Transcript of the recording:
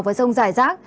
và rông giải rác